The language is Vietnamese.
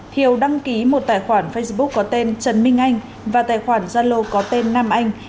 thiều đăng ký một tài khoản facebook có tên trần minh anh và tài khoản zalo có tên nam anh